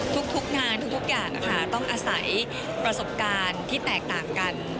ทุกงานทุกอย่างนะคะต้องอาศัยประสบการณ์ที่แตกต่างกัน